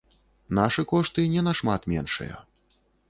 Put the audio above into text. Нашы кошты не нашмат меншыя.